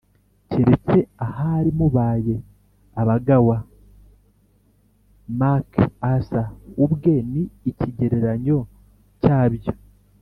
Keretse ahari mubaye abagawaMacArthur ubwe ni ikigereranyo cya byo.